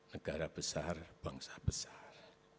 negara besar bangsa besar